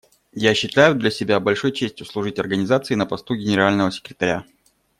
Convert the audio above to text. Я считаю для себя большой честью служить Организации на посту Генерального секретаря.